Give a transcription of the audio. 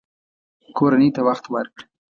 کورنۍ ته وخت ورکړه